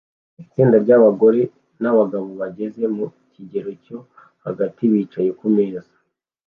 Itsinda ryabagore nabagabo bageze mu kigero cyo hagati bicaye kumeza